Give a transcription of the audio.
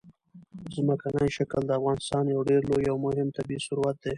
ځمکنی شکل د افغانستان یو ډېر لوی او مهم طبعي ثروت دی.